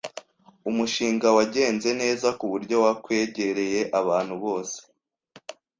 Umushinga wagenze neza kuburyo wakwegereye abantu bose.